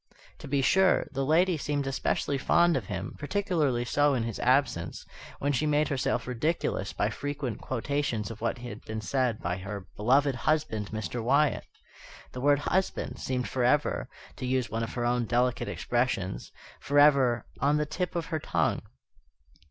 To be sure, the lady seemed especially fond of him, particularly so in his absence, when she made herself ridiculous by frequent quotations of what had been said by her "beloved husband, Mr. Wyatt." The word "husband" seemed forever, to use one of her own delicate expressions, forever "on the tip of her tongue."